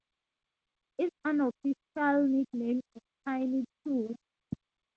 Its unofficial nickname is "Shiny Two".